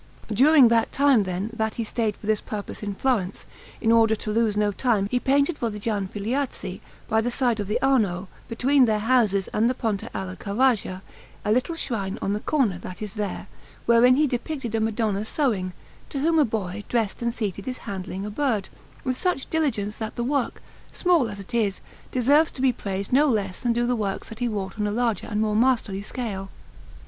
During that time, then, that he stayed for this purpose in Florence, in order to lose no time he painted for the Gianfigliazzi, by the side of the Arno, between their houses and the Ponte alla Carraja, a little shrine on a corner that is there, wherein he depicted a Madonna sewing, to whom a boy dressed and seated is handing a bird, with such diligence that the work, small as it is, deserves to be praised no less than do the works that he wrought on a larger and more masterly scale.